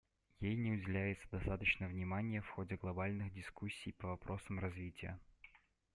Ей не уделяется достаточно внимания в ходе глобальных дискуссий по вопросам развития.